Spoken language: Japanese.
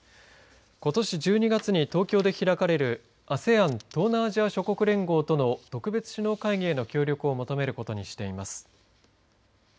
ことし１２月に東京で開かれるＡＳＥＡＮ東南アジア諸国連合との特別首脳会議への協力を求めることにしています。